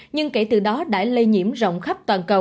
nhưng kể từ đó đã lây nhiễm rộng khắp toàn cầu